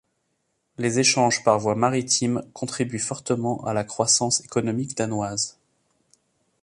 Les échanges par voies maritimes contribuent fortement à la croissance économique danoise.